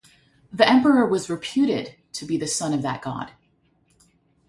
The emperor was reputed to be the son of that god.